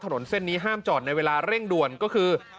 ถนนเส้นนี้ห้ามจอดในเวลาเร่งด่วนก็คือ